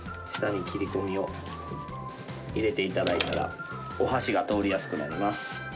下に切り込みを入れて頂いたらお箸が通りやすくなります。